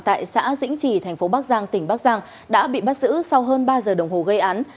tại xã dĩnh trì thành phố bắc giang tỉnh bắc giang đã bị bắt giữ sau hơn ba giờ đồng hồ gây án